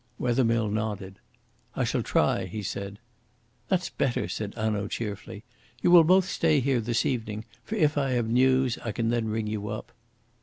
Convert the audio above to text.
Wethermill nodded. "I shall try," he said. "That's better," said Hanaud cheerfully. "You will both stay here this evening; for if I have news, I can then ring you up."